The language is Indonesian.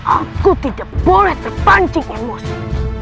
aku tidak boleh terpancing emosi